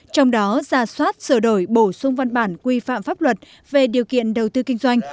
trong đó ra soát sửa đổi bổ sung văn bản quy phạm pháp luật về điều kiện đầu tư kinh doanh